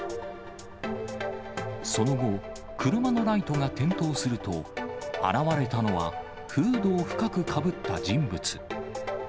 その後、車のライトが点灯すると、現れたのは、フードを深くかぶった人物。